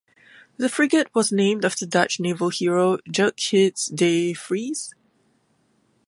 The frigate was named after Dutch naval hero Tjerk Hiddes de Vries.